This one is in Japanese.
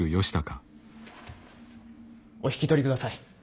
お引き取りください。